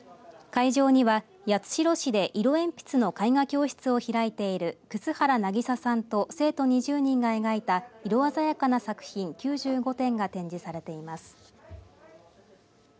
会場には、八代市で色鉛筆の絵画教室を開いている楠原なぎささんと生徒２０人が描いた色鮮やかな作品９５点が展示されています。